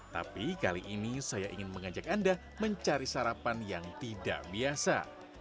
tapi kali ini saya ingin mengajak anda mencari sarapan yang tidak biasa